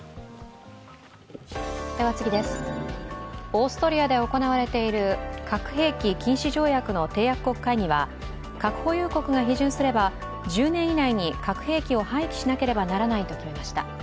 オーストリアで行われている核兵器禁止条約の締約国会議は、核保有国が批准すれば１０年以内に核兵器を廃棄しなければならないと決めました。